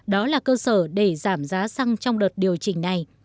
đó là cơ sở để giảm giá xăng trong đợt điều chỉnh này